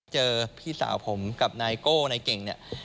พี่สาวผมกับนายโก้นายเก่งเนี่ย